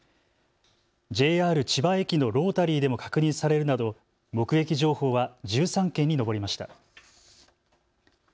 ＪＲ千葉駅のロータリーでも確認されるなど目撃情報は１３件に上りました。